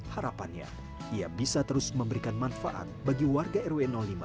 harapannya ia bisa terus memberikan manfaat bagi warga rw lima